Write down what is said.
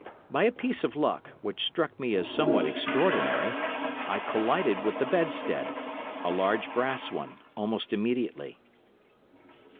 By a piece of luck, which struck me as somewhat extraordinary, I collided with the bedstead—a large brass one—almost immediately.